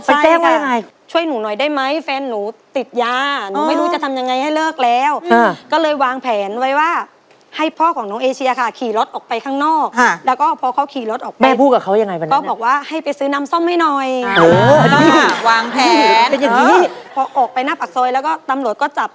ไปแจ้งไงใช่ค่ะช่วยหนูหน่อยได้ไหมแฟนหนูติดยาหนูไม่รู้จะทำยังไงให้เลิกแล้วอ่ะก็เลยวางแผนไว้ว่าให้พ่อของต๊ว